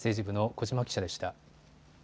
政治部の小嶋記者でした。